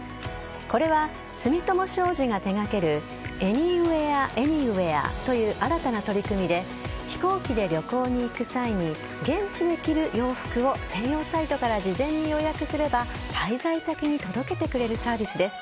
これは住友商事が手掛けるＡｎｙＷｅａｒ，Ａｎｙｗｈｅｒｅという新たな取り組みで飛行機で旅行に行く際に現地で着る洋服を専用サイトから事前に予約すれば滞在先に届けてくれるサービスです。